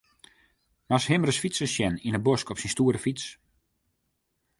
Moatst him ris fytsen sjen yn 'e bosk op syn stoere fyts.